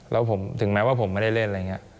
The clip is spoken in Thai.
แล้วผมถึงแม้ว่าผมไม่ได้เล่นอะไรอย่างนี้